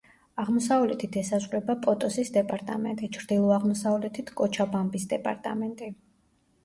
აღმოსავლეთით ესაზღვრება პოტოსის დეპარტამენტი, ჩრდილო-აღმოსავლეთით კოჩაბამბის დეპარტამენტი.